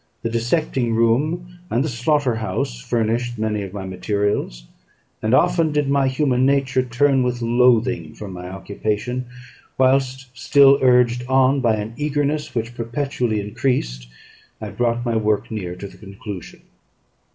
The dissecting room and the slaughter house furnished many of my materials; and often did my human nature turn with loathing from my occupation, whilst, still urged on by an eagerness which perpetually increased, I brought my work near to a conclusion.